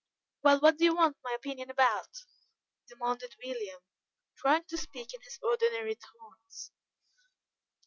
"Well, what do you want my opinion about?" demanded William, trying to speak in his ordinary tones.